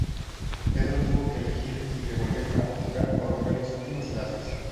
Pedro tuvo que elegir entre volver a Portugal o romper los últimos lazos.